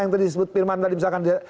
yang tadi disebut firman tadi misalkan